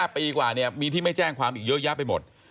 ปีกว่ามีที่ไม่แจ้งความอีกเยอะแยะไปหมด